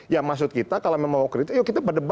ya maksud kita kalau memang mau kritik yuk kita berdebat